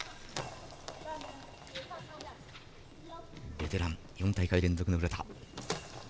ベテラン、４大会連続の浦田。